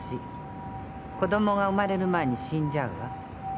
子供が生まれる前に死んじゃうわ。